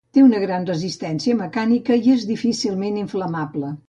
Té una gran resistència mecànica i és difícilment inflamable.